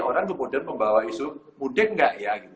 orang kemudian membawa isu mudik nggak ya